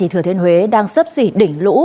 thừa thiên huế đang sấp xỉ đỉnh lũ